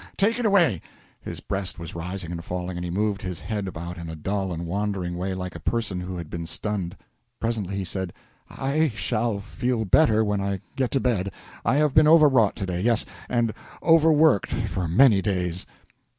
take it away!" His breast was rising and falling, and he moved his head about in a dull and wandering way, like a person who had been stunned. Presently he said, "I shall feel better when I get to bed; I have been overwrought to day; yes, and over worked for many days."